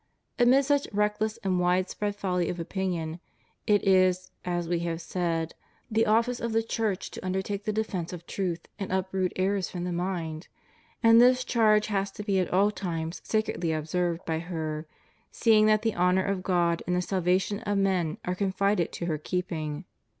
Amid such reckless and widespread folly of opinion, it is, as we have said, the office of the Church to undertake the defence of truth and uproot errors from the mind, and this charge has to be at all times sacredly observed by her, seeing that the honor of God and the salvation of men are confided to her keeping.